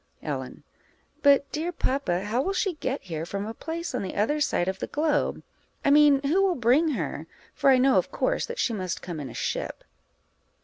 Ellen. But, dear papa, how will she get here from a place on the other side of the globe? I mean, who will bring her? for I know, of course, that she must come in a ship.